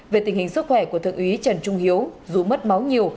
về tình hình sức khỏe của thượng úy trần trung hiếu dù mất máu nhiều